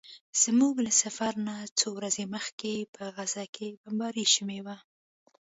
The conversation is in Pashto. زموږ له سفر نه څو ورځې مخکې په غزه کې بمباري شوې وه.